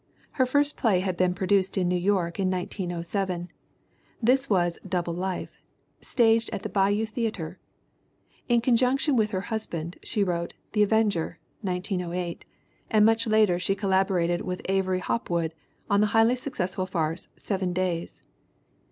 Her first play had been produced in New York in 1907. This was Double Life, staged at the Bijou Theater. In conjunction with her husband, she wrote The Avenger (1908) and much later she collaborated with Avery Hop wood in the highly successful farce Seven Days.